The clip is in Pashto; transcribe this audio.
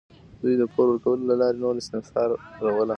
دوی د پور ورکولو له لارې نور استثمارول.